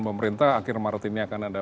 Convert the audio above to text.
pemerintah akhir maret ini akan ada